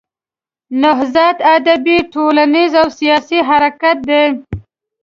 نهضت ادبي، ټولنیز او سیاسي حرکت دی.